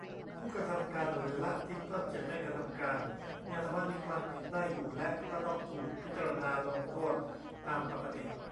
ผู้กระทำการหรือละทิ้งเพิกเฉยไม่กระทำการ ยังสามารถมีความผิดได้อยู่ และก็ต้องถูกพิจารณาลงโทษตามปกติ